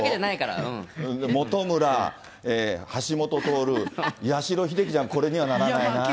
本村、橋下徹、八代英輝じゃこれにはならないな。